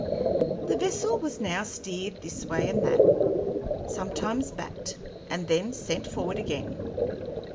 The vessel was now steered this way and that, sometimes backed, and then sent forward again.